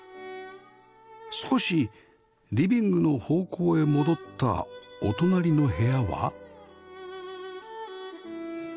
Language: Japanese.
少しリビングの方向へ戻ったお隣の部屋は？